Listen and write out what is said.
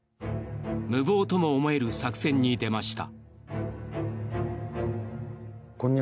無謀とも思える作戦に出ました。